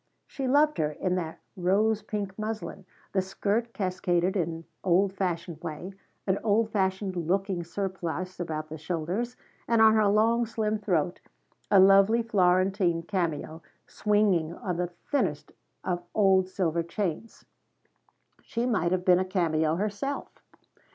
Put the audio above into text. She loved her in that rose pink muslin, the skirt cascaded in old fashioned way, an old fashioned looking surplice about the shoulders, and on her long slim throat a lovely Florentine cameo swinging on the thinnest of old silver chains. She might have been a cameo herself.